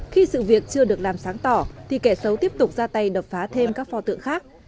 khi sự việc chưa được làm sáng tỏ thì kẻ xấu tiếp tục ra tay đập phá thêm các pho tượng khác